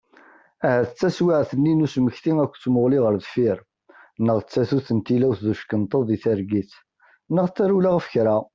Ahat d taswiɛt-nni n usmekti akked tmuɣli ɣer deffir, neɣ d tatut n tilawt d uckenṭeḍ di targit, neɣ d tarewla ɣef kra.